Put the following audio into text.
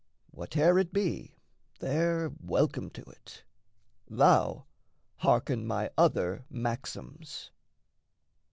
Whate'er it be, they're welcome to it thou, Hearken my other maxims.